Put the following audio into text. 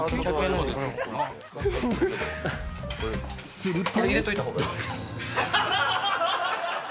［すると］